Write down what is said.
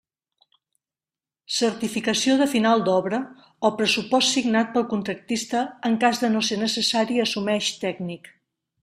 Certificació de final d'obra, o pressupost signat pel contractista en cas de no ser necessari assumeix tècnic.